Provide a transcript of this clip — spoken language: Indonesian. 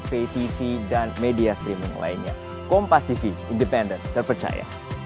pak dada dada dong pak